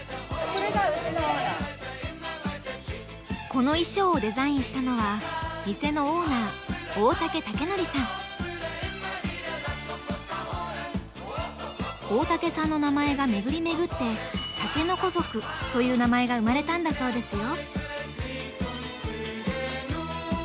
この衣装をデザインしたのは店のオーナー大竹さんの名前が巡り巡って竹の子族という名前が生まれたんだそうですよ。